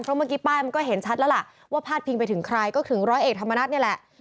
เพราะเมื่อกี้ป้ายมันก็เห็นชัดแล้วล่ะว่าพาดพิงไปถึงใครก็ถึงร้อยเอกธรรมนัฐนี่แหละ